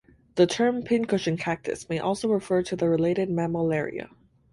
The term "pincushion cactus" may also refer to the related "Mammillaria".